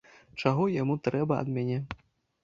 Чаго яму трэба ад мяне?